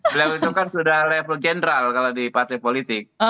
beliau itu kan sudah level jenderal kalau di partai politik